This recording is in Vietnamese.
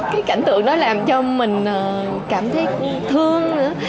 cái cảnh tượng đó làm cho mình cảm thấy thương nữa